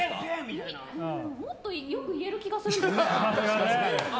もっとよく言える気がするんですよ。